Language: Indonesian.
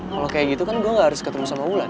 kalau kayak gitu kan gue gak harus ketemu sama wulan